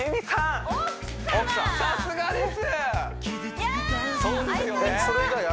さすがです！いや！